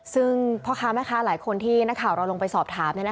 ซึ่งพ่อค้าแม่ค้าหลายคนที่นักข่าวเราลงไปสอบถาม